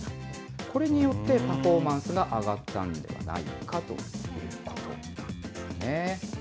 これによってパフォーマンスが上がったんではないかということなんですね。